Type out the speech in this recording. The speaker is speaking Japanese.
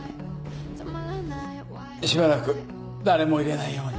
しばらく誰も入れないように。